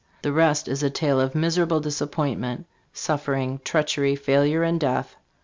The rest is a tale of mis erable disappointment, suffering, treachery, failure and death.